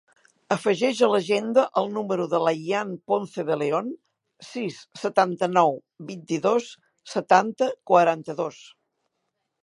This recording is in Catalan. Afegeix a l'agenda el número de l'Ayaan Ponce De Leon: sis, setanta-nou, vint-i-dos, setanta, quaranta-dos.